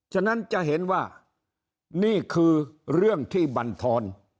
ฉะนั้นจะเห็นว่านี่คือเรื่องที่บรรทร